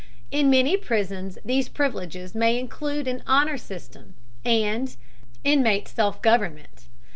In many prisons these privileges may include an "honor system" and "inmate self government."